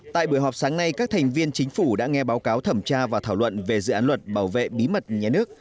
tại buổi họp sáng nay các thành viên chính phủ đã nghe báo cáo thẩm tra và thảo luận về dự án luật bảo vệ bí mật nhà nước